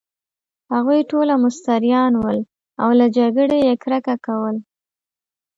هغوی ټوله مستریان ول، او له جګړې يې کرکه کول.